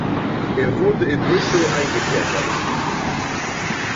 Er wurde in Bristol eingekerkert.